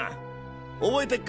覚えてっか？